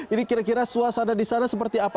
ini kira kira suasana di sana seperti apa